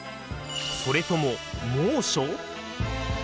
それとも猛暑？